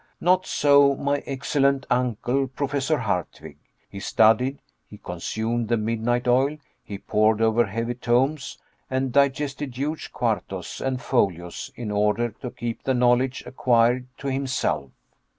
Not so my excellent uncle, Professor Hardwigg; he studied, he consumed the midnight oil, he pored over heavy tomes, and digested huge quartos and folios in order to keep the knowledge acquired to himself.